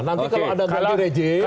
nanti kalau ada gaji rejim